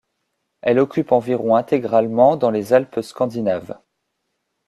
Elle occupe environ intégralement dans les alpes scandinaves.